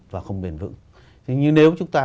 và không bền vững nhưng nếu chúng ta